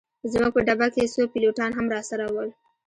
زموږ په ډبه کي څو پیلوټان هم راسره ول.